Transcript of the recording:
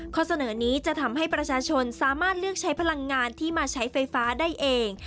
ข้อเสนอนี้จะทำให้ประชาชนสามารถเลือกใช้พลังงานที่มาใช้ไฟฟ้าได้เอง